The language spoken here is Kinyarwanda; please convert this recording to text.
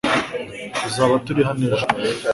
Tuzaba turi hano ejo